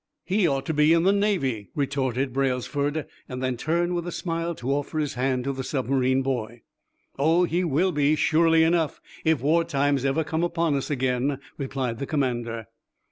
"He ought to be in the Navy," retorted Braylesford, then turned, with a smile, to offer his hand to the submarine boy. "Oh, he will be, surely enough, if war times ever come upon us again," replied the commander.